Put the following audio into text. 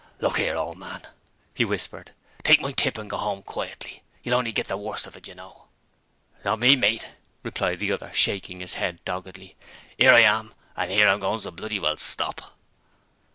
'Look 'ere, old man,' he whispered, 'take my tip and go 'ome quietly. You'll only git the worse of it, you know.' 'Not me, mate,' replied the other, shaking his head doggedly. ''Ere I am, and 'ere I'm goin' to bloody well stop.'